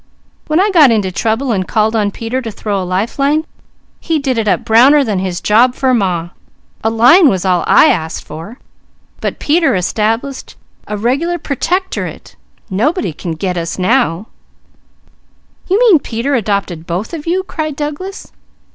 _ When I got into trouble and called on Peter to throw a lifeline, he did it up browner than his job for Ma. A line was all I asked; but Peter established a regular Pertectorate nobody can 'get' us now " "You mean Peter adopted both of you?" cried Douglas.